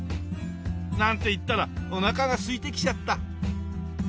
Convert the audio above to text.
なんて言ったらおなかがすいてきちゃった。